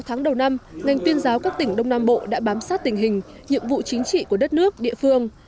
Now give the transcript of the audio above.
sáu tháng đầu năm ngành tuyên giáo các tỉnh đông nam bộ đã bám sát tình hình nhiệm vụ chính trị của đất nước địa phương